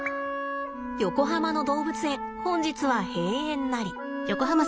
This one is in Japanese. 横浜の動物園本日は閉園なり。